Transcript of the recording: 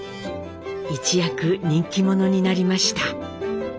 一躍人気者になりました。